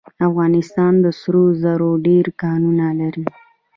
افغانستان د سرو زرو ډیر کانونه لري.